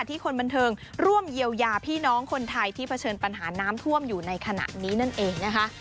คนบันเทิงร่วมเยียวยาพี่น้องคนไทยที่เผชิญปัญหาน้ำท่วมอยู่ในขณะนี้นั่นเองนะคะ